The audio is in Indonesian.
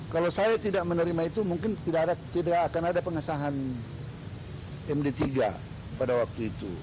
kalau saya tidak menerima itu mungkin tidak akan ada pengesahan md tiga pada waktu itu